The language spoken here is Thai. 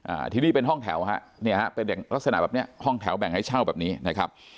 อ่าที่นี่เป็นห้องแถวฮะเนี่ยฮะเป็นลักษณะแบบเนี้ยห้องแถวแบ่งให้เช่าแบบนี้นะครับ